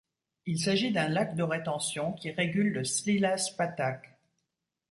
Il s'agit d'un lac de rétention qui régule le Szilas-patak.